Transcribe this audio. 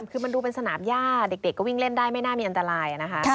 คือมันดูเป็นสนามย่าเด็กก็วิ่งเล่นได้ไม่น่ามีอันตรายนะคะ